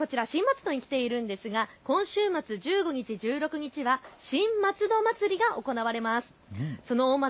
さてこちら新松戸に来ているんですですが、今週末１５日、１６日は新松戸まつりが行われます。